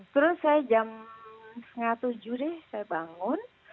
terus saya jam setengah tujuh deh saya bangun